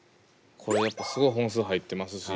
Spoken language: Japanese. これやっぱすごい本数入ってますし。